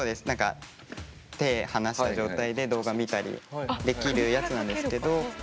なんか手離した状態で動画見たりできるやつなんですけど。